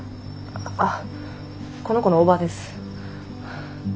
あこの子の叔母です。